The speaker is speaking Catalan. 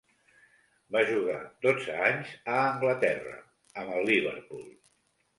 Va jugar dotze anys a Anglaterra amb el Liverpool.